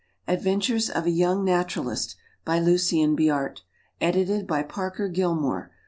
Adventures of a Young Naturalist. By LUCIEN BIART. Edited by PARKER GILLMORE.